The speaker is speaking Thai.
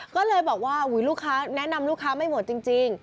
ก็เลยบอกว่าลูกค้าแนะนำลูกค้าไม่หมดจริง